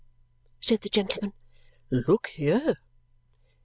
said the gentleman. "Look here!"